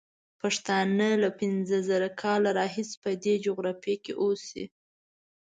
پښتانه له پینځه زره کاله راهیسې په دې جغرافیه کې اوسي.